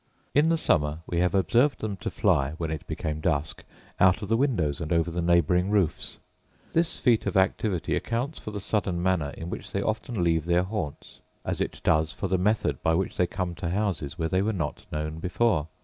In the summer we have observed them to fly, when it became dusk, out of the windows, and over the neighbouring roofs. This feat of activity accounts for the sudden manner in which they often leave their haunts, as it does for the method by which they come to houses where they were not known before.